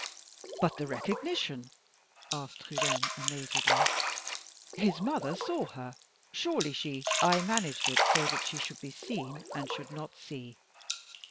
"But the recognition?" asked Trudaine, amazedly. "His mother saw her. Surely she " "I managed it so that she should be seen, and should not see.